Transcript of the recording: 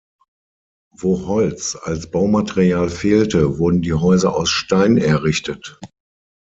Wo Holz als Baumaterial fehlte, wurden die Häuser aus Stein errichtet.